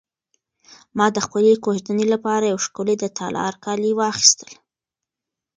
ما د خپلې کوژدنې لپاره یو ښکلی د تالار کالي واخیستل.